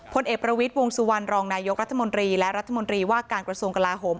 พลเอกประวิทวงสุวรรณรองนายกรรธมนตรีว่าการกระทรวงกลาโฮม